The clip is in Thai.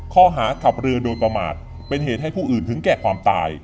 ข้อหาขับเรือโดยประมาทเป็นเหตุให้ผู้อื่นถึงแก่ความตาย